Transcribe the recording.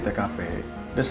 bahkan kapan ibu elsa